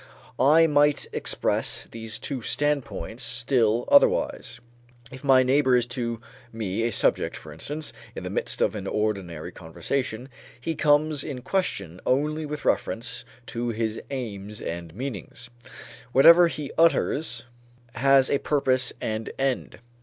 I might express these two standpoints still otherwise. If my neighbor is to me a subject, for instance, in the midst of an ordinary conversation, he comes in question only with reference to his aims and meanings: whatever he utters has a purpose and end.